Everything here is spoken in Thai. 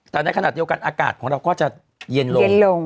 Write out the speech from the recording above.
แต่ในขณะเดียวกันอากาศของเราก็จะเย็นลงเย็นลง